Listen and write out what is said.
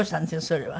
それは。